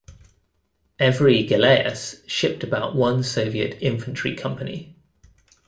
Every galeas shipped about one Soviet infantry company.